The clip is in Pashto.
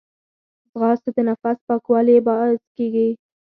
ځغاسته د نفس پاکوالي باعث کېږي